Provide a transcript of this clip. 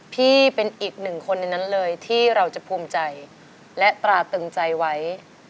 พี่เป็นอีกหนึ่งคนในนั้นเลยที่เราจะภูมิใจและตราตึงใจไว้